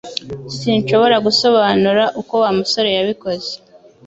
Sinshobora gusobanura uko Wa musore yabikoze